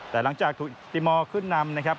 แต่หลังจากถูกตีมอลขึ้นนำนะครับ